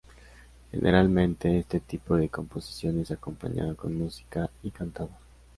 Generalmente este tipo de composición es acompañado con música y cantado.